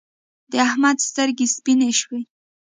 د احمد سترګې سپينې شوې.